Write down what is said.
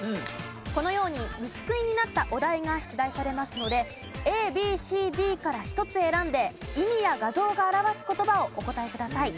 このように虫食いになったお題が出題されますのでＡＢＣＤから１つ選んで意味や画像が表す言葉をお答えください。